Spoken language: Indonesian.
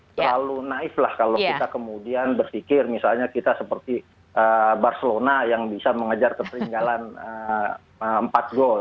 terlalu naif lah kalau kita kemudian berpikir misalnya kita seperti barcelona yang bisa mengejar ketertinggalan empat gol